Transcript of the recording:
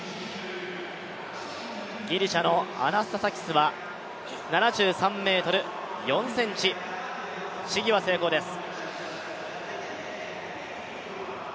ギリシャのアナスタサキスは７３ｍ４ｃｍ、試技は成功です。